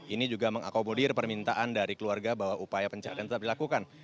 ini juga mengakomodir permintaan dari keluarga bahwa upaya pencarian tetap dilakukan